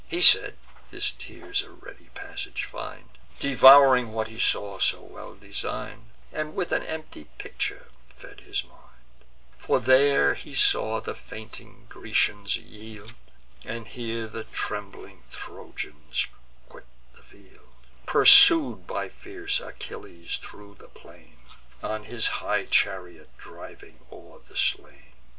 He said, his tears a ready passage find, Devouring what he saw so well design'd, And with an empty picture fed his mind: For there he saw the fainting Grecians yield, And here the trembling Trojans quit the field, Pursued by fierce Achilles thro' the plain, On his high chariot driving o'er the slain.